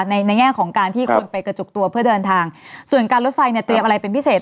ในในแง่ของการที่คนไปกระจุกตัวเพื่อเดินทางส่วนการรถไฟเนี่ยเตรียมอะไรเป็นพิเศษ